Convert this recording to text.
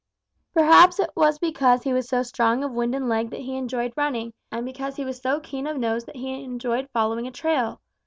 "Perhaps it was because he was so strong of wind and leg that he enjoyed running, and because he was so keen of nose that he enjoyed following a trail.